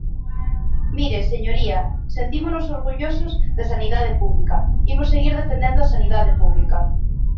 Mire, señoría, sentímonos orgullosos da sanidade pública, imos seguir defendendo a sanidade pública.